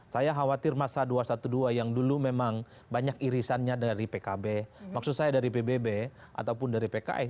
saya khawatir masa dua ratus dua belas yang dulu memang banyak irisannya dari pkb maksud saya dari pbb ataupun dari pks